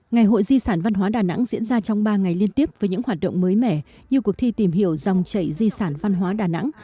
ngày hội di sản văn hóa đà nẵng diễn ra trong ba ngày liên tiếp với những hoạt động mới mẻ như cuộc thi tìm hiểu dòng chảy di sản văn hóa đà nẵng